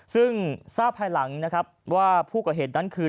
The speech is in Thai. ซึ่งทราบภายหลังนะครับว่าผู้ก่อเหตุนั้นคือ